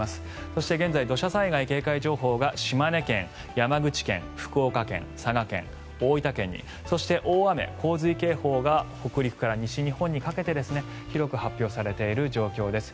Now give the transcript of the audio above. そして現在、土砂災害警戒情報が島根県、山口県、福岡県佐賀県、大分県にそして、大雨・洪水警報が北陸から西日本にかけて広く発表されている状況です。